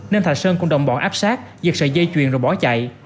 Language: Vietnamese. nên thạch sơn cùng đồng bọn áp sát giật sợi dây chuyền rồi bỏ chạy